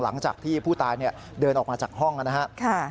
หลังจากที่ผู้ตายเดินออกมาจากห้องนะครับ